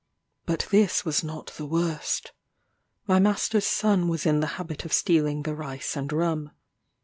But this was not the worst. My master's son was in the habit of stealing the rice and rum.